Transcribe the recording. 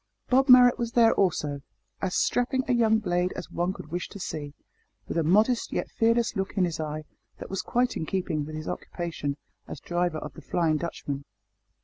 Bob Marrot was there also as strapping a young blade as one could wish to see, with a modest yet fearless look in his eye, that was quite in keeping with his occupation as driver of the "Flying Dutchman."